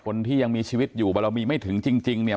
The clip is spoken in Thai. คนที่ยังมีชีวิตอยู่แต่เรามีไม่ถึงจริงจริงเนี้ย